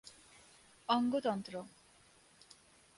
অঙ্গ তন্ত্র